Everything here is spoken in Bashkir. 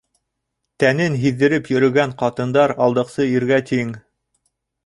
Тәнен һиҙҙереп йөрөгән ҡатындар алдаҡсы иргә тиң!